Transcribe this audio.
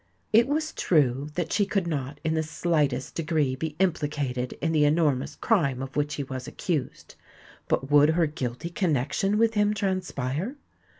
It was true that she could not in the slightest degree be implicated in the enormous crime of which he was accused: but would her guilty connexion with him transpire?